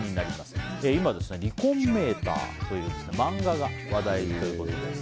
今「離婚メーター」という漫画が話題だといいます。